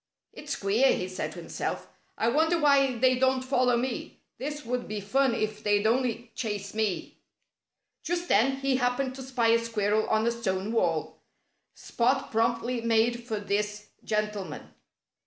"It's queer," he said to himself. "I wonder why they don't follow me. This would be fun if they'd only chase me." Just then he happened to spy a squirrel on a stone wall. Spot promptly made for this gentleman.